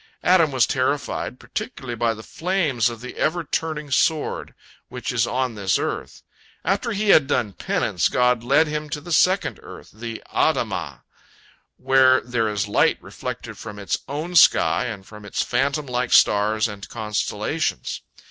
Adam was terrified, particularly by the flames of the ever turning sword, which is on this earth. After he had done penance, God led him to the second earth, the Adamah, where there is light reflected from its own sky and from its phantom like stars and constellations.